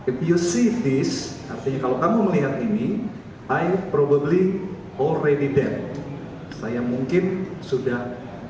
hai if you see this artinya kalau kamu melihat ini i probably already dead saya mungkin sudah